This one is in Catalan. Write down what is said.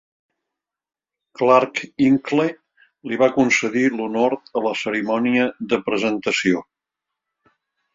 Clarke Hinkle li va concedir l'honor a la cerimònia de presentació.